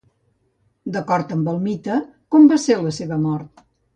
D'acord amb el mite, com va ser la seva mort?